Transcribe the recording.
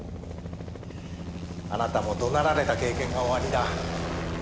あなたも怒鳴られた経験がおありだ。